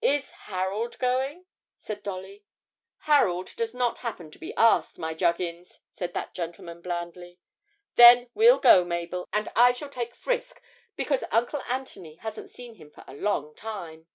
'Is Harold going?' said Dolly. 'Harold does not happen to be asked, my Juggins,' said that gentleman blandly. 'Then we'll go, Mabel, and I shall take Frisk, because Uncle Anthony hasn't seen him for a long time.'